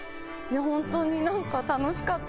本当になんか楽しかったです。